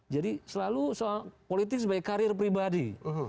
jadi selalu politik sebagai karir pribadi